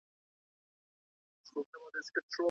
ځيني نور احکام مرتبيږي.